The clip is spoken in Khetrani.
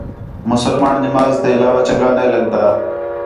مسلمان نماز تے علاوہ چَنڳا نے لڳدا